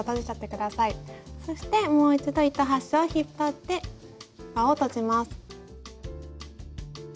そしてもう一度糸端を引っ張って輪を閉じます。